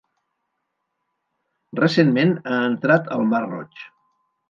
Recentment ha entrat al Mar Roig.